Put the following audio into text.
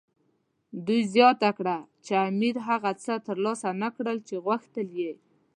دوی زیاته کړه چې امیر هغه څه ترلاسه نه کړل چې غوښتل یې.